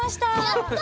やった！